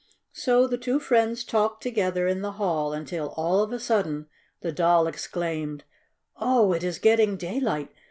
So the two friends talked together in the hall until, all of a sudden, the Doll exclaimed: "Oh, it is getting daylight!